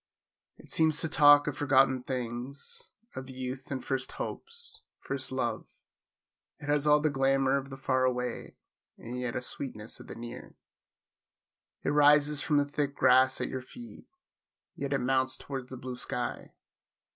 It seems to talk of forgotten things; of youth and first hopes; first love; it has all the glamour of the far away, and yet a sweetness of the near. It rises from the thick grass at your feet, yet it mounts towards the blue sky!